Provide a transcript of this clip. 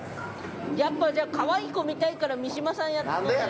やっぱじゃあかわいい子見たいから三島さんやってよ。